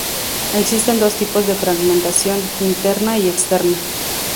Existen dos tipos de fragmentación: interna y externa.